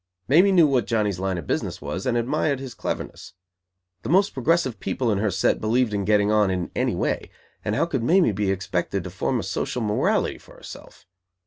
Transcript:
Mamie knew what Johnny's line of business was, and admired his cleverness. The most progressive people in her set believed in "getting on" in any way, and how could Mamie be expected to form a social morality for herself?